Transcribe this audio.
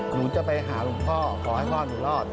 หนูจะไปหาหนุ่มพ่อเขาให้ขอหนูรอด